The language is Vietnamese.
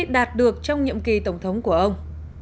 đạt được trong nhiệm kỳ tổng thống của ông